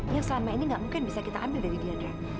yang selama ini nggak mungkin bisa kita ambil dari dia